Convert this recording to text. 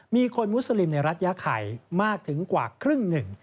มีคนมุสลิมในรัฐยาไข่มากถึงกว่าครึ่งหนึ่ง